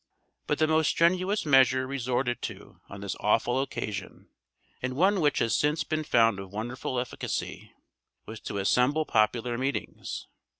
But the most strenuous measure resorted to on this awful occasion, and one which has since been found of wonderful efficacy, was to assemble popular meetings.